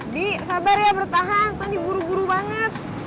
bi sabar ya bertahan soalnya buru buru banget